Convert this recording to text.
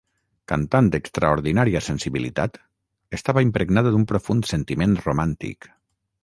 Cantant d'extraordinària sensibilitat, estava impregnada d'un profund sentiment romàntic.